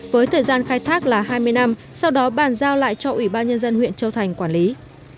với thời gian khai thác là hai mươi năm sau đó bàn giao lại cho ủy ban nhân dân huyện châu thành quản lý